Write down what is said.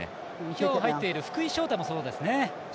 今日、入っている福井翔大もそうですね。